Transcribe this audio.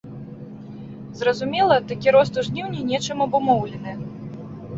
Зразумела, такі рост у жніўні нечым абумоўлены.